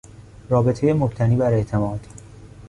رابطهی مبتنی بر اعتماد